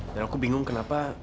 dan aku bingung kenapa